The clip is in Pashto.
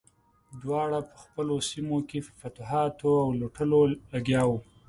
دواړه په خپلو سیمو کې په فتوحاتو او لوټلو لګیا وو.